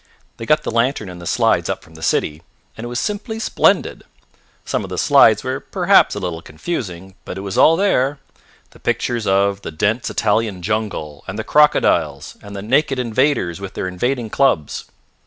They got the lantern and the slides up from the city, and it was simply splendid. Some of the slides were perhaps a little confusing, but it was all there, the pictures of the dense Italian jungle and the crocodiles and the naked invaders with their invading clubs.